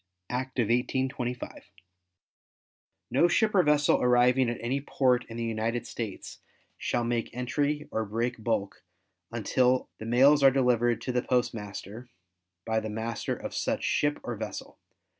Act of 1825. No ship or vessel arriving at any port in the United States shall make entry or break bulk until the mails are delivered to the postmaster by the master of such ship or vessel.